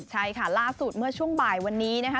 ใช่ค่ะล่าสุดเมื่อช่วงบ่ายวันนี้นะคะ